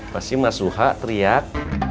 pasti mas suha teriak